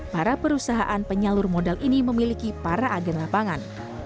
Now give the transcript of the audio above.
para perusahaan penyalur modal ini memiliki para agen lapangan